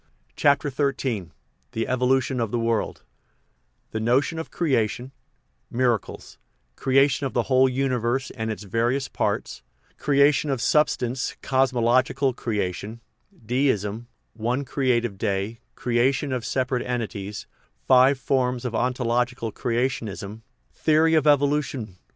CHAPTER XIII THE EVOLUTION OF THE WORLD The Notion of Creation Miracles Creation of the Whole Uni verse and of its Various Parts Creation of Substance (Cos mological Creation) Deism : One Creative Day Creation of Separate Entities Five Forms of Ontological Creationism Theory of Evolution I.